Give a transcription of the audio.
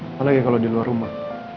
apalagi kalau di luar rumah